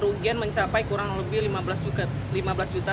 kerugian mencapai kurang lebih lima belas juta